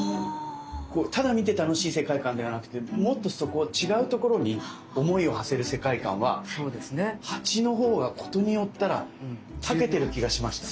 ただ見て楽しい世界観ではなくてもっと違うところに思いをはせる世界観は鉢のほうが事によったらたけてる気がしました。